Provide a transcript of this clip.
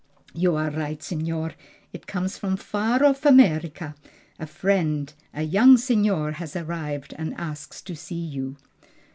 '" "You are right, signor, it comes from far off America. A friend a young signor has arrived, and asks to see you."